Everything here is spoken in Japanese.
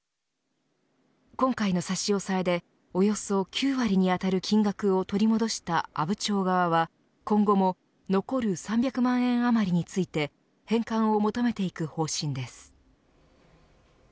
今回の差し押さえでおよそ９割にあたる金額を取り戻した阿武町側は今後も残る３００万円余りについて返還を求めていく方針です。